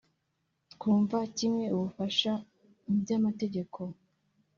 Twumva kimwe ubufasha mu by amategeko